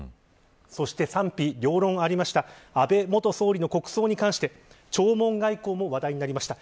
そして、賛否両論ありました安倍元総理の国葬に関して弔問外交も話題になりました。